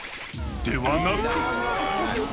［ではなく］